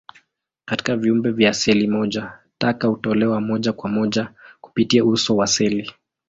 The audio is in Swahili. Katika viumbe vya seli moja, taka hutolewa moja kwa moja kupitia uso wa seli.